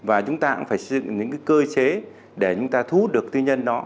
và chúng ta cũng phải sử dụng những cái cơ chế để chúng ta thu hút được tư nhân đó